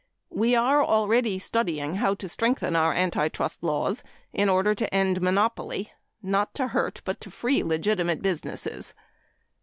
We are already studying how to strengthen our anti trust laws in order to end monopoly not to hurt but to free legitimate business.